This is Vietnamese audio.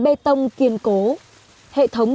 bê tông kiên cố hệ thống